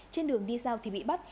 trên đường đi sao thì bị bắt